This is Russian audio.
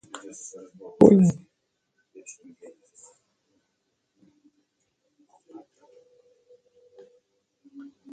войны